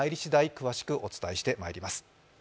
詳しくお伝えしてまいります。